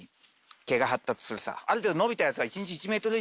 ある程度伸びたやつは。